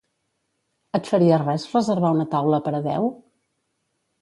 Et faria res reservar una taula per a deu?